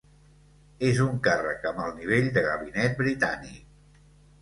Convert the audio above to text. És un càrrec amb el nivell de gabinet britànic.